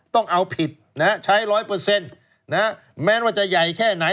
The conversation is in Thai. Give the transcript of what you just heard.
ต้องเอาผิดใช้ร้อยเปอร์เซ็นต์แม้ว่าจะใหญ่แค่ไหน